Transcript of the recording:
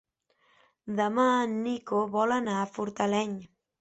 Demà en Nico vol anar a Fortaleny.